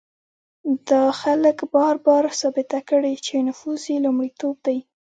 دا خلک بار بار ثابته کړې چې نفوذ یې لومړیتوب دی.